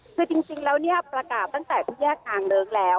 คือจริงแล้วเนี่ยประกาศตั้งแต่พระเจ้ากลางเลิกแล้ว